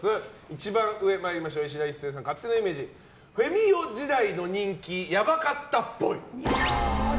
一番上いしだ壱成さんの勝手なイメージフェミ男時代の人気ヤバかったっぽい。